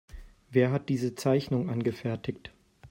Wer hat diese Zeichnung angefertigt?